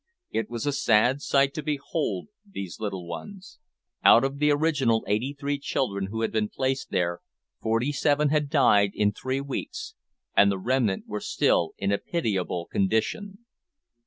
It was a sad sight to behold these little ones. Out of the original eighty three children who had been placed there forty seven had died in three weeks, and the remnant were still in a pitiable condition.